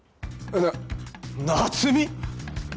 な夏美！？